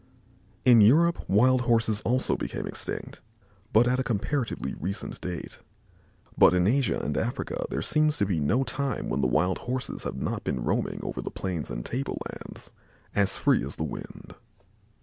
In Europe wild Horses also became extinct, but at a comparatively recent date; but in Asia and Africa there seems to be no time when the wild Horses have not been roaming over the plains and tablelands, as free as the wind.